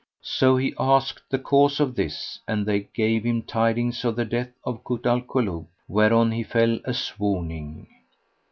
So he asked the cause of this and they gave him tidings of the death of Kut al Kulub, whereon he fell a swooning.